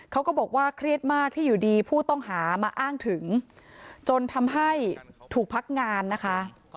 เขาก็บอกว่าเครียดมากที่อยู่ดีผู้ต้องหามาอ้างถึงจนทำให้ถูกพักงานนะคะ